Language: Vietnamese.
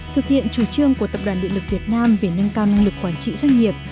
thực hiện chủ trương của tập đoàn điện lực việt nam về nâng cao năng lực quản trị doanh nghiệp